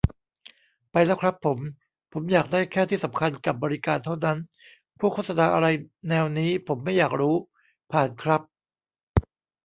ไปแล้วครับผม ผมอยากได้แค่ที่สำคัญกับบริการเท่านั้น พวกโฆษณาอะไรแนวนี้ผมไม่อยากรู้ผ่าน ครับ